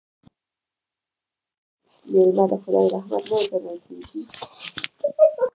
آیا میلمه د خدای رحمت نه ګڼل کیږي؟